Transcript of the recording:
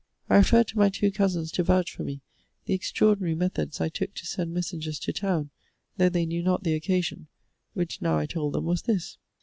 I referred to my two cousins to vouch for me the extraordinary methods I took to send messengers to town, though they knew not the occasion; which now I told them was this.